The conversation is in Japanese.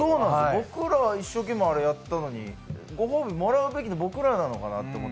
僕らは一生懸命やったのにご褒美もらうべきは僕らなのかなと。